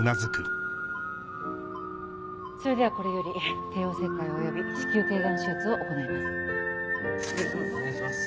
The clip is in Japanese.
それではこれより帝王切開および子宮頸がん手術を行います。